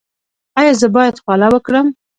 ایا زه باید خوله وکړم؟